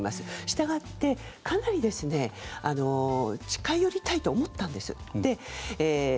したがって、かなり近寄りたいと思ったんです。